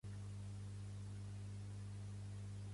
Màrius Serra, a Eleusis per sant Jordi.